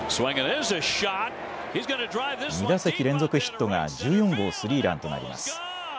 ２打席連続ヒットが１４号スリーランとなります。